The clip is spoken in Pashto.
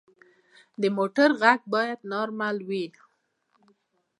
د موټر غږ باید نارمل وي.